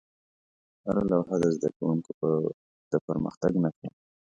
هره لوحه د زده کوونکو د پرمختګ نښه وه.